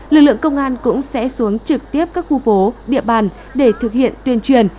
lực lượng công an cũng sẽ xuống trực tiếp các khu phố địa bàn để thực hiện tuyên truyền